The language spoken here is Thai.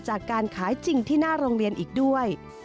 จากการขายจริงที่หน้าโรงเรียนอีกด้วย